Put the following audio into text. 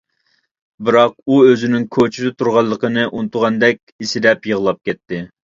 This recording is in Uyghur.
بىراق ئۇ ئۆزىنىڭ كوچىدا تۇرغانلىقىنى ئۇنتۇغاندەك ئېسەدەپ يىغلاپ كەتتى.